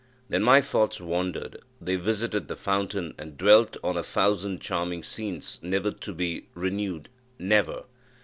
Then my thoughts wandered they visited the fountain, and dwelt on a thousand charming scenes never to be renewed never!